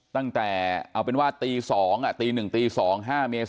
ตั้งแต่เอาเป็นว่าตีสองตีหนึ่งตีสองห้าเมื่อกี้